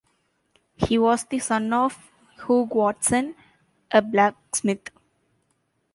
He was the son of Hugh Watson, a blacksmith.